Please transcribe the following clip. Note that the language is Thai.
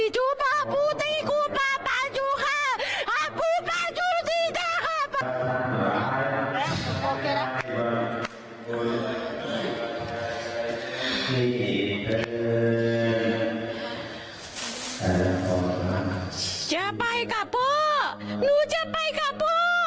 จะไปกับพ่อหนูจะไปกับพ่อ